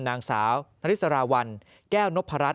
นางสาวนฤทธิสารวัลแก้วนพรัฐ